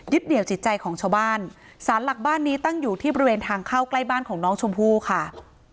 เดี่ยวจิตใจของชาวบ้านสารหลักบ้านนี้ตั้งอยู่ที่บริเวณทางเข้าใกล้บ้านของน้องชมพู่ค่ะ